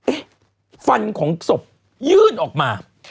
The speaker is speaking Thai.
ฟันของศพยื่นออกมา